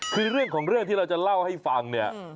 คือเรื่องของเรื่องที่เราจะเล่าให้ฟังเนี่ย